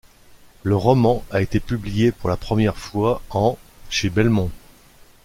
Le roman a été publié pour la première fois en chez Belmont.